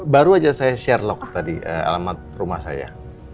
baru aja saya share log tadi alamat rumah saya